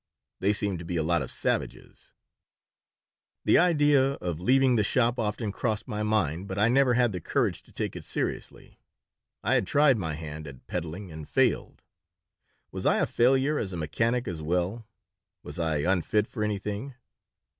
They seemed to be a lot of savages The idea of leaving the shop often crossed my mind, but I never had the courage to take it seriously. I had tried my hand at peddling and failed. Was I a failure as a mechanic as well? Was I unfit for anything?